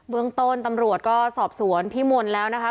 เมืองต้นตำรวจก็สอบสวนพี่มนต์แล้วนะคะ